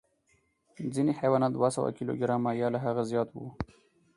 ځینې حیوانات دوه سوه کیلو ګرامه یا له هغه زیات وو.